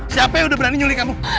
siapa yang udah berani nyulih kamu